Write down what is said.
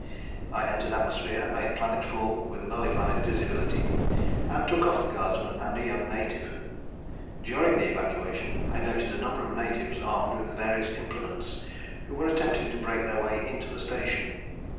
I entered atmosphere, made planetfall with nullified visibility, and took off the guardsman and a young native. During the evacuation, I noted a number of natives armed with various implements, who were attempting to break their way into the station.